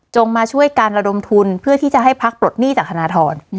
มาช่วยการระดมทุนเพื่อที่จะให้พักปลดหนี้จากธนทร